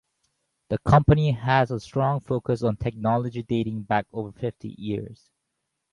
The company has a strong focus on technology dating back over fifty years.